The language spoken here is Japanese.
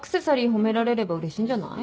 褒められればうれしいんじゃない？